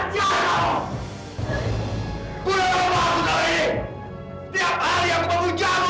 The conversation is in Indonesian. pak pusri pak pusri